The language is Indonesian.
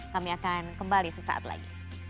kami akan kembali sesaat lagi